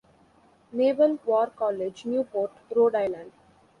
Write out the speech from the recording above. Naval War College, Newport, Rhode Island.